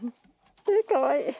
かわいい。